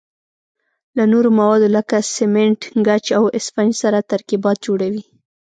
له نورو موادو لکه سمنټ، ګچ او اسفنج سره ترکیبات جوړوي.